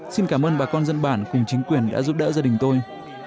xin cảm ơn bà con dân bản cùng chính quyền đã giúp đỡ gia đình tôi